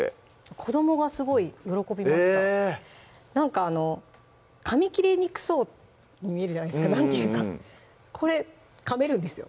子どもがすごい喜びましたなんかかみ切りにくそうに見えるじゃないですかこれかめるんですよ